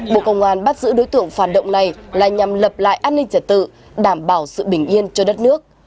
bộ công an bắt giữ đối tượng phản động này là nhằm lập lại an ninh trả tự đảm bảo sự bình yên cho đất nước